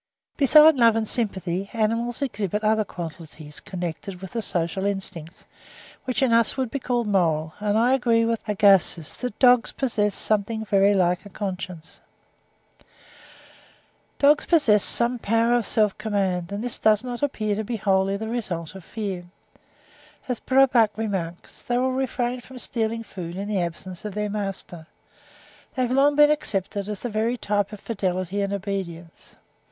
Besides love and sympathy, animals exhibit other qualities connected with the social instincts, which in us would be called moral; and I agree with Agassiz (16. 'De l'Espèce et de la Classe,' 1869, p. 97.) that dogs possess something very like a conscience. Dogs possess some power of self command, and this does not appear to be wholly the result of fear. As Braubach (17. 'Die Darwin'sche Art Lehre,' 1869, s. 54.) remarks, they will refrain from stealing food in the absence of their master. They have long been accepted as the very type of fidelity and obedience.